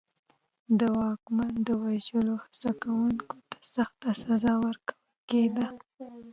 د واکمن د وژلو هڅه کوونکي ته سخته سزا ورکول کېده.